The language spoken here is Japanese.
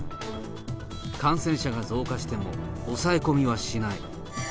感染者が増加しても、抑え込みはしない。